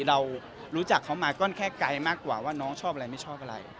เรารู้จักเขามาก้อนแค่ไกลมากกว่าว่าน้องชอบอะไรไม่ชอบอะไร